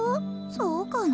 そうかな？